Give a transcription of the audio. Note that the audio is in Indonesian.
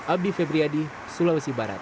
abdi febriyadi sulawesi barat